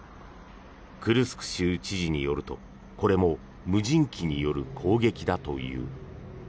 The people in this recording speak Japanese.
クルスク州知事によると、これも無人機による攻撃だという。